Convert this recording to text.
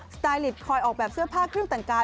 สไตลิตคอยออกแบบเสื้อผ้าเครื่องแต่งกาย